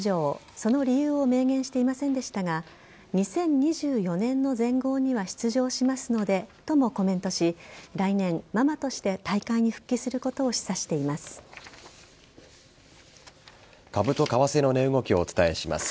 その理由を明言していませんでしたが２０２４年の全豪には出場しますのでともコメントし来年、ママとして大会に復帰することを株と為替の値動きをお伝えします。